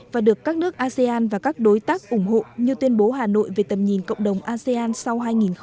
và được các nước asean và các đối tác ủng hộ như tuyên bố hà nội về tầm nhìn cộng đồng asean sau hai nghìn hai mươi năm